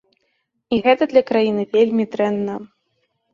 І гэта для краіны вельмі дрэнна.